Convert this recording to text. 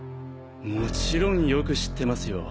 もちろんよく知ってますよ。